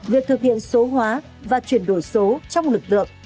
việc thực hiện số hóa và chuyển đổi số trong lực lượng